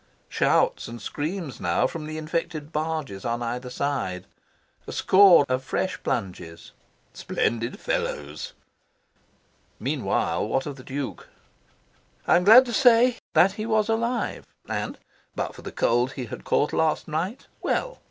Shouts and screams now from the infected barges on either side. A score of fresh plunges. "Splendid fellows!" Meanwhile, what of the Duke? I am glad to say that he was alive and (but for the cold he had caught last night) well.